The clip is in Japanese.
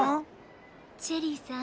チェリーさん